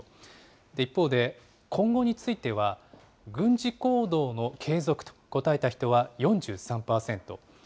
一方で、今後については軍事行動の継続と答えた人は４３％。